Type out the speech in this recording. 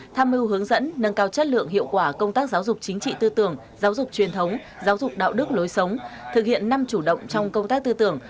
tham mưu hướng dẫn nâng cao chất lượng hiệu quả công tác giáo dục chính trị tư tưởng giáo dục truyền thống giáo dục đạo đức lối sống thực hiện năm chủ động trong công tác tư tưởng